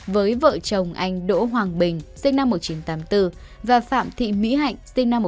với vợ chồng anh đỗ hoàng bình và phạm thị mỹ hạnh